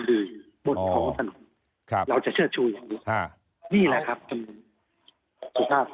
เราจะเชื่อชูอย่างนี้นี่แหละครับคุณผู้ชาย